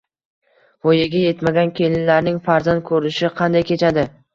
Voyaga etmagan kelinlarning farzand ko`rishi qanday kechadi